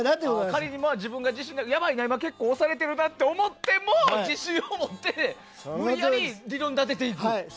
仮に自分自身がやばい結構押されているなと思っても自信を持って無理やり理論立てていく。